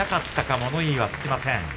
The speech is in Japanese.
物言いはつきません。